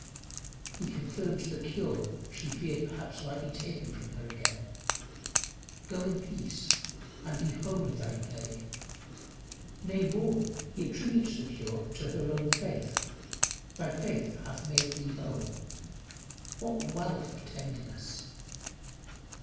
He confirms the cure she feared perhaps might be taken from her again. "Go in peace, and be whole of thy plague." Nay, more, he attributes her cure to her own faith. "Thy faith hath made thee whole." What wealth of tenderness!